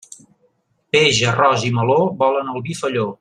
Peix, arròs i meló volen el vi felló.